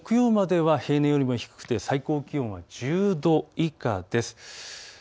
木曜までは平年よりも低くて最高気温が、１０度以下です。